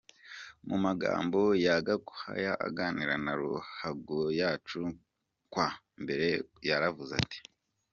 Mu magambo ye Gakwaya aganira na Ruhagoyacu kuwa Mbere yaravuze ati.